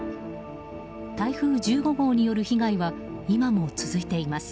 台風１５号による被害は今も続いています。